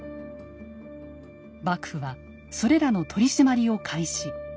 幕府はそれらの取締りを開始。